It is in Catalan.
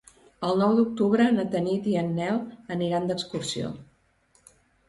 El nou d'octubre na Tanit i en Nel aniran d'excursió.